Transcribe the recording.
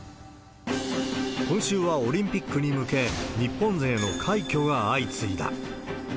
今週はオリンピックに向け、日本勢の快挙が相次いだ。